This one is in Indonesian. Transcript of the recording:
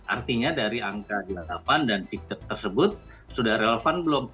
artinya dari angka delapan dan enam tersebut sudah relevan belum